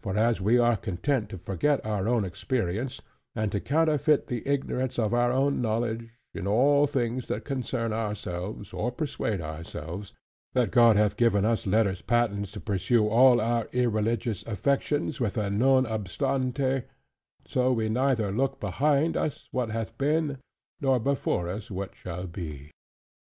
For as we are content to forget our own experience, and to counterfeit the ignorance of our own knowledge, in all things that concern ourselves; or persuade ourselves, that God hath given us letters patents to pursue all our irreligious affections, with a "non obstante" so we neither look behind us what hath been, nor before us what shall be.